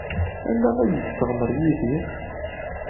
Anda ay yesseɣmer Yidir?